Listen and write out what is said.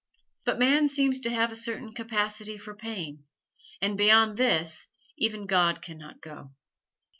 But man seems to have a certain capacity for pain, and beyond this even God can not go.